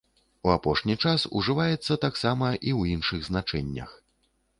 У апошні час ужываецца таксама і ў іншых значэннях.